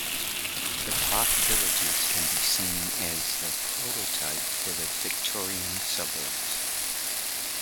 The park Villages can be seen as the prototype for the Victorian suburbs.